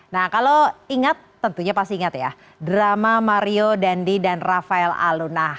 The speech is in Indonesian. nah kalau ingat tentunya pasti ingat ya drama mario dandi dan rafael alun